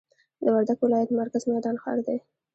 د وردګ ولایت مرکز میدان ښار دی